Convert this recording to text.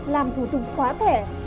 làm thủ tục khóa thẻ